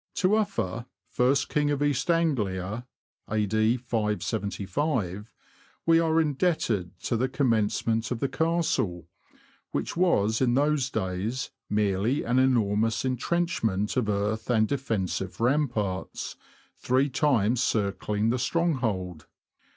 To Uffa, first King of East Anglia, A.D. 575, we are indebted for the commencement of the Castle, which was in those days merely an enormous entrenchment of earth and defensive ramparts, three times circHng the stronghold.